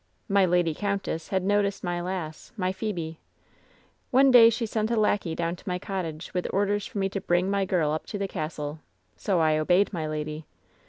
"My lady countess had noticed my lass, my Phebe. Ane day she sent a lackey down to my cottage, with orders for me to bring my girl up to the castle. So I obeyed my lady.